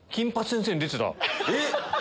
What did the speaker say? えっ？